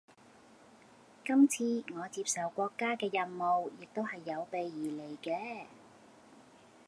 今次我接受國家嘅任務，亦都係有備而嚟嘅